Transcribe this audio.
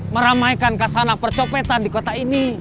meramaikan kesana percopetan di kota ini